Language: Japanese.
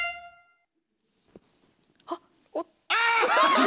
あっ！